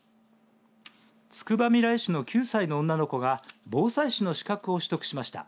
つくばみらい市の９歳の女の子が防災士の資格を取得しました。